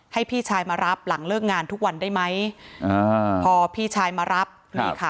ให้พี่ชายมารับหลังเลิกงานทุกวันได้ไหมอ่า